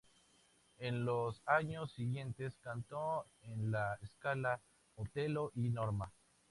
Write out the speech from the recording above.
En los años siguientes cantó en la Scala "Otello" y "Norma".